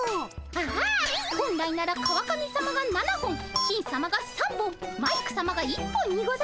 ああ本来なら川上さまが７本金さまが３本マイクさまが１本にございます。